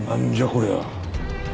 こりゃ。